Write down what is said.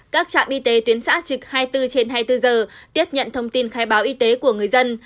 các trạm y tế tuyến xã trực hai mươi bốn trên hai mươi bốn giờ tiếp nhận thông tin khai báo y tế của người dân